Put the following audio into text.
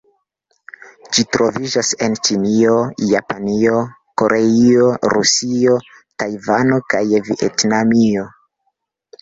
Ĝi troviĝas en Ĉinio, Japanio, Koreio, Rusio, Tajvano kaj Vjetnamio.